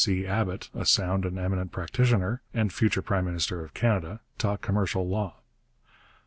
C. Abbott, a sound and eminent practitioner, and a future prime minister of Canada, taught commercial law.